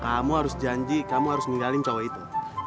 kamu harus janji kamu harus meninggalkan cowok itu